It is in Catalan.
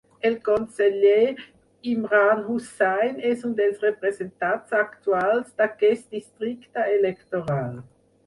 El conseller Imran Hussain és un dels representats actuals d'aquest districte electoral.